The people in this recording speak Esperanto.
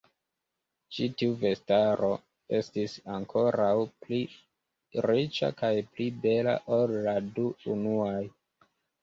Ĉi tiu vestaro estis ankoraŭ pli riĉa kaj pli bela ol la du unuaj.